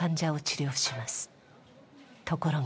ところが。